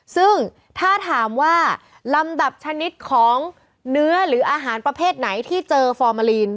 ซึ่งถ้าถามว่าลำดับชนิดของเนื้อหรืออาหารประเภทไหนที่เจอฟอร์มาลีน